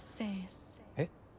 えっ？